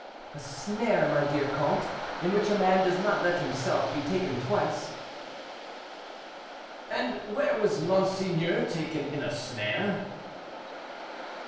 "A snare, my dear comte, in which a man does not let himself be taken twice." "And where was monseigneur taken in a snare?"